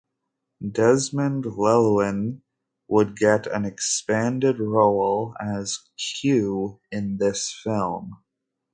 Desmond Llewelyn would get an expanded role as Q in this film.